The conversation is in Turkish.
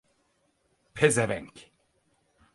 Pezevenk!